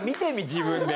自分で。